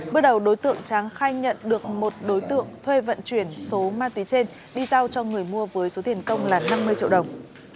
bước đầu đối tượng tráng khai nhận được một đối tượng thuê vận chuyển số ma túy trên đi giao cho người mua với số tiền công là năm mươi triệu đồng